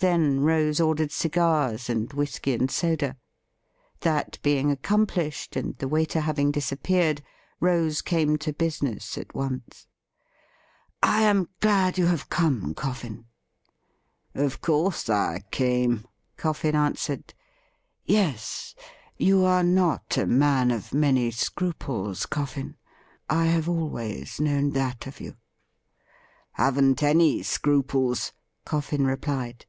Then Rose ordered cigars and whisky and soda. That being accomplished, and the waiter having disappeared, Rose came to business at once. ' I am glad you have come, Coffin.' WHAT THE CHmF DID WITH HIMSELF 2G7 ' Of course I came,' CofBn answered. ' Yes. You are not a man of many scruples, CofEn. I have always known that of you.' ' Haven't any scruples,' Coffin replied.